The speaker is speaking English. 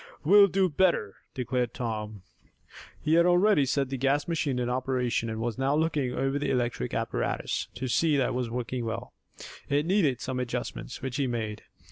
"We'll do better," declared Tom. He had already set the gas machine in operation, and was now looking over the electric apparatus, to see that it was working well. It needed some adjustments, which he made.